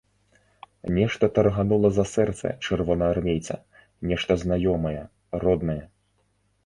Нешта тарганула за сэрца чырвонаармейца, нешта знаёмае, роднае.